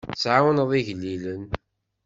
Ad tɛawneḍ igellilen.